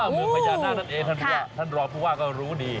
เมืองมาดาลนั่นเองท่านรอพูดว่าก็รู้ดี